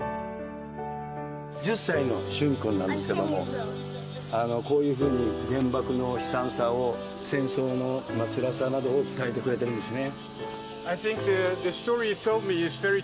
１０歳の駿君なんですけど、こういうふうに原爆の悲惨さを、戦争のつらさなどを伝えてくれてるんですね。